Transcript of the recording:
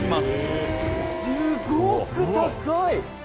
すごく高い！